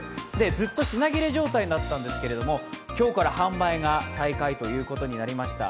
ずっと品切れ状態だったんですけども、今日から販売が再開ということになりました。